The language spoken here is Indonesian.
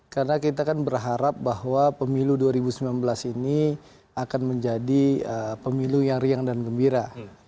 karena kita kan berharap bahwa pemilu dua ribu sembilan belas ini akan menjadi pemilu yang riang dan gembira